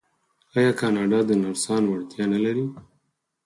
آیا کاناډا د نرسانو اړتیا نلري؟